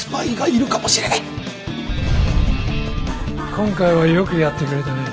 今回はよくやってくれたね。